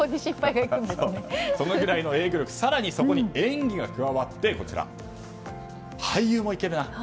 そのぐらいの英語力更にそこに演技が加わって俳優もいけるな。